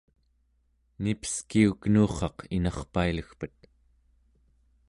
nipeskiu kenurraq inarpailegpet!